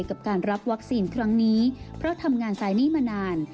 กับการรับวัคซีนครั้งนี้เพราะทำงานไซนี่มานาน